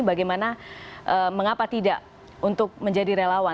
bagaimana mengapa tidak untuk menjadi relawan